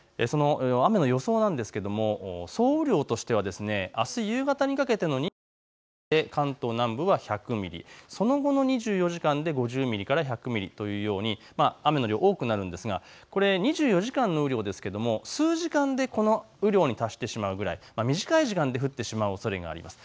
さらに雨の予想なんですが総雨量としてはあす夕方にかけての２４時間で関東南部は１００ミリ、その後の２４時間で５０ミリから１００ミリというように雨の量、多くなるのですが２４時間の雨量ですけれども数時間でこの雨量に達してしまうくらい、短い時間で降ってしまうおそれがあります。